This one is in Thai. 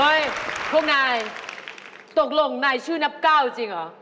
พวกนายตกลงนายชื่อนับก้าวจริงเหรอ